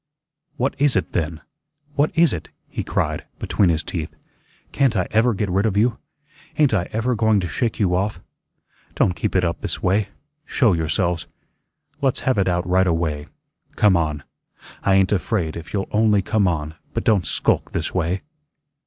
"What IS it, then? What is it?" he cried, between his teeth. "Can't I ever get rid of you? Ain't I EVER going to shake you off? Don' keep it up this way. Show yourselves. Let's have it out right away. Come on. I ain't afraid if you'll only come on; but don't skulk this way."